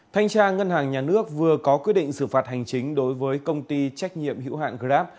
thanh tra ngân hàng nhà nước vừa có quyết định xử phạt hành chính đối với công ty trách nhiệm hữu hạn grab